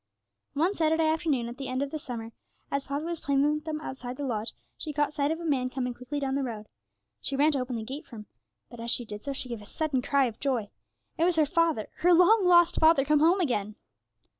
One Saturday afternoon, at the end of the summer, as Poppy was playing with them outside the lodge, she caught sight of a man coming quickly down the road. She ran to open the gate for him, but as she did so she gave a sudden cry of joy. It was her father, her long lost father, come home again!